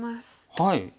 はい。